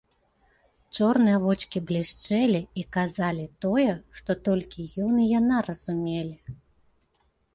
Чорныя вочкі блішчэлі і казалі тое, што толькі ён і яна разумелі.